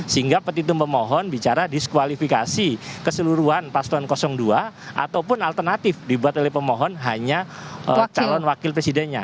sehingga petitum pemohon bicara diskualifikasi keseluruhan paslon dua ataupun alternatif dibuat oleh pemohon hanya calon wakil presidennya